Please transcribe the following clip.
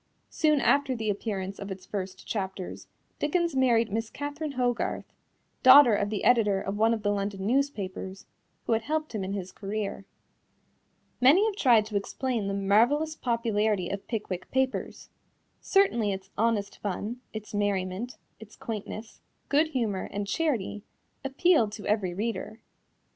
Soon after the appearance of its first chapters, Dickens married Miss Catherine Hogarth, daughter of the editor of one of the London newspapers, who had helped him in his career. Many have tried to explain the marvelous popularity of Pickwick Papers. Certainly its honest fun, its merriment, its quaintness, good humor and charity appealed to every reader.